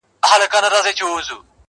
بيا خو هم دى د مدعـا اوبـو ته اور اچــوي.